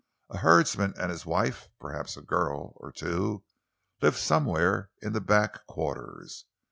A herdsman and his wife, perhaps a girl or two, live somewhere in the back quarters.